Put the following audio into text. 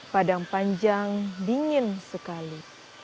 padang panjang dingin sekali